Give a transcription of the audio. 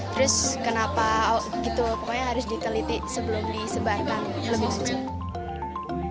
terus kenapa gitu pokoknya harus diteliti sebelum disebarkan lebih sulit